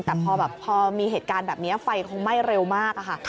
แต่พอมีเหตุการณ์แบบนี้ไฟคงไหม้เร็วมากค่ะ